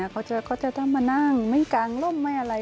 เขาจะต้องมานั่งไม่กางร่มไม่อะไร